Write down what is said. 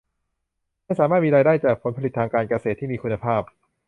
ให้สามารถมีรายได้จากผลผลิตทางการเกษตรที่มีคุณภาพ